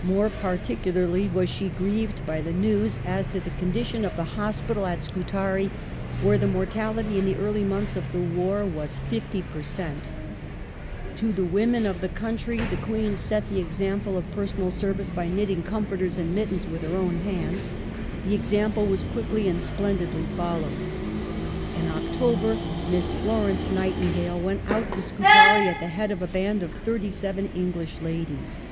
More particularly was she grieved by the news as to ^36 THE COAUTION AND THE CRIMEAN WAR [1862 the condition of the hospital at Scutari where the mortality in the early months of the war was 50 per cent To the women of the country the Queen set the example of pereonal service by knitting comforters and mittens with her own hands. The example was quickly and splendidly followed. In October, Miss Florence Nightin gale went out to Scutari at the head of a band of thirty seven English ladies.